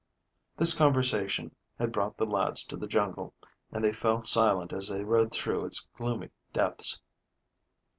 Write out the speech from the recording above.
This conversation had brought the lads to the jungle, and they fell silent as they rode through its gloomy depths.